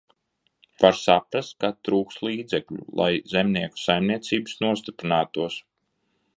Var saprast, ka trūkst līdzekļu, lai zemnieku saimniecības nostiprinātos.